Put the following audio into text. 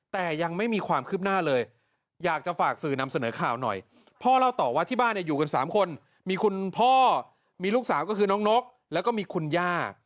แต่ยังไม่มีความคืบหน้าเลยอยากจะฝากสื่อนำเสนอข่าวหน่อยพ่อเล่าต่อว่าที่บ้านเนี่ยอยู่กัน๓คนมีคุณพ่อมีลูกสาวก็คือน้องนกแล้วก็มีคุณย่า